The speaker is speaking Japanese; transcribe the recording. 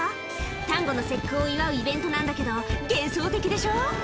「端午の節句を祝うイベントなんだけど幻想的でしょ」